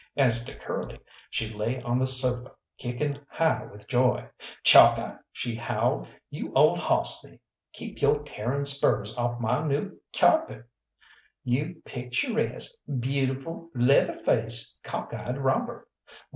As to Curly, she lay on the sofa kicking high with joy. "Chalkeye," she howled, "you ole hoss thief, keep yo' tearin' spurs off my new cyarpet. You picturesque, beautiful, leather faced, cock eyed robber!